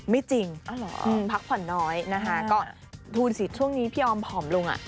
ไม่จริงพักผ่อนน้อยนะคะก็ทูลสิช่วงนี้พี่ออมผอมลงอ่ะ